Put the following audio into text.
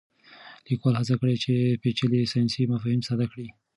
لیکوال هڅه کړې چې پېچلي ساینسي مفاهیم ساده کړي.